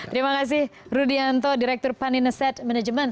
terima kasih rudianto direktur paninneset management